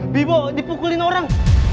bimo dipukulin orang